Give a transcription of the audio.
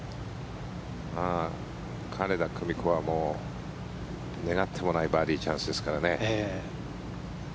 金田久美子は願ってもないバーディーチャンスですからね。